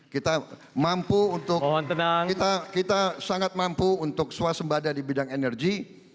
kita mampu untuk kita sangat mampu untuk swasembada di bidang energi